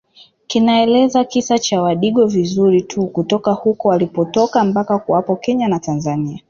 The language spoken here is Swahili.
kinaeleza kisa cha wadigo vizuri tu kutoka huko walipotoka mpaka kuwapo Kenya na Tanzania